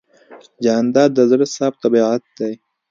جانداد د زړه صاف طبیعت دی.